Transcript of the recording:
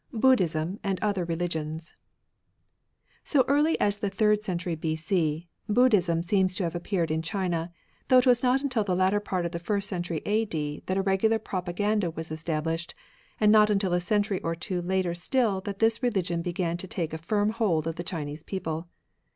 — ^Buddhism and other Religions So early as the third century B.C., Buddhism seems to have appeared in China, though it was not until the latter part of the first century a.d. that a regular propaganda was estabUshed, and not until a century or two later still that this reli gion began to take a firm hold of the Chinese people.